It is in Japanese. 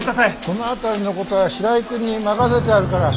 その辺りのことは白井君に任せてあるから。